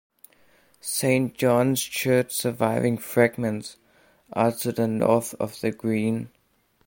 Saint John's Church surviving fragments are to the north of the Green.